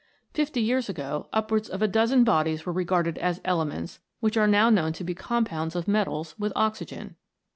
Fifty years ago upwards of a dozen bodies were regarded as elements which are now known to be compounds of metals with oxygen.